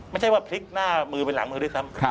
ไม่ใช่ว่าพลิกหน้ามือไปหลังมือด้วยซ้ำ